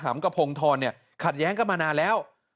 กับพงธรเนี่ยขัดแย้งกันมานานแล้ว